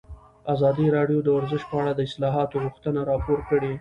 ازادي راډیو د ورزش په اړه د اصلاحاتو غوښتنې راپور کړې.